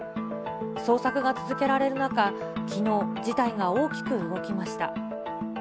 捜索が続けられる中、きのう、事態が大きく動きました。